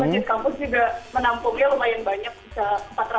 masjid kampus juga menampungnya lumayan banyak